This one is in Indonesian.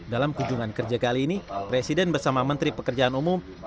dalam kunjungan kerja kali ini presiden bersama menteri pekerjaan umum